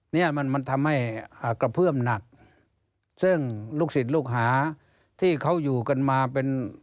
เนี่ยมันมันทำให้กระเพื่อมหนักซึ่งลูกศิษย์ลูกหาที่เขาอยู่กันมาเป็น